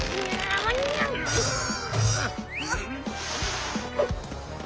うん！